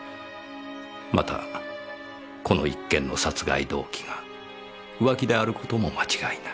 またこの一件の殺害動機が浮気である事も間違いない。